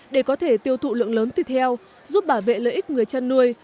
để có thể tiêu thụ lượng lớn thịt heo giúp bảo vệ lợi ích người chăn nuôi